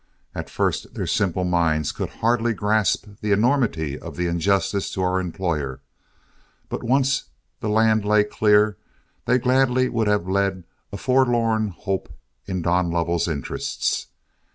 At first their simple minds could hardly grasp the enormity of the injustice to our employer, but once the land lay clear, they would gladly have led a forlorn hope in Don Lovell's interests.